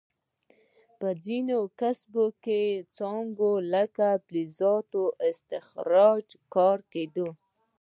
په ځینو کسبي څانګو لکه فلزاتو استخراج کې کار کیده.